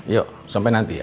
yuk sampai nanti ya